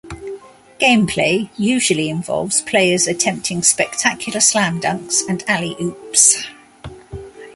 Gameplay usually involves players attempting spectacular slam dunks and alley oops.